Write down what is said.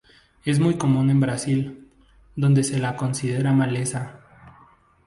Es muy común en Brasil, donde se la considera maleza.